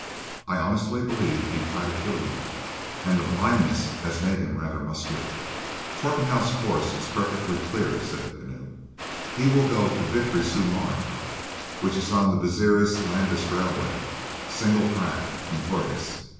I honestly believe he'd try to kill you; and the blindness has made him rather muscular." "Torpenhow's course is perfectly clear," said the Keneu. "He will go to Vitry sur Marne, which is on the Bezieres Landes Railway,—single track from Tourgas.